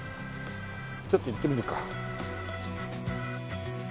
ちょっと行ってみるか。